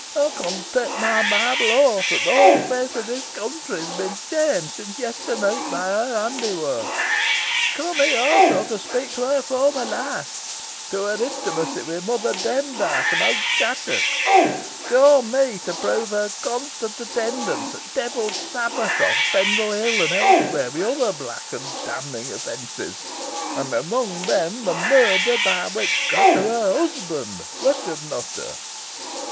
"Ey con tay my Bible oath that the whole feace o' this keawntry has been chaunged sin yester neet, by her hondywark. Ca' me also to speak to her former life to her intimacy wi' Mother Demdike an owd Chattox. Ca' me to prove her constant attendance at devils' sabbaths on Pendle Hill, and elsewhere, wi' other black and damning offences an among 'em the murder, by witchcraft, o' her husband, Ruchot Nutter."